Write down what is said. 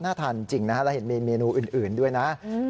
น่าทานจริงและเห็นมีเมนูอื่นด้วยนะ